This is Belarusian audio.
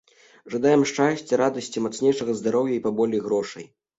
Жадаем шчасця, радасці, мацнейшага здароўя і паболей грошай!